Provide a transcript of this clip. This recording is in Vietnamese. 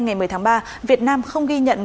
ngày một mươi tháng ba việt nam không ghi nhận